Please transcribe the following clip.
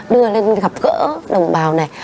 đưa lên gặp gỡ đồng bào này